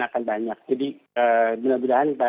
akan banyak jadi mudah mudahan